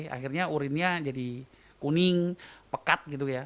akhirnya urinnya jadi kuning pekat gitu ya